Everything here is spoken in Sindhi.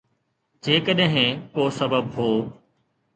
جيڪڏهن ڪو سبب هو.